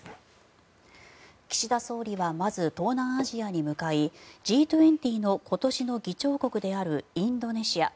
岸田総理はまず東南アジアに向かいＧ２０の今年の議長国であるインドネシア